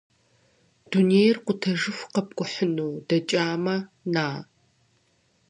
Дунейр къутэжыху къэпкӀухьыну удэкӀамэ, на!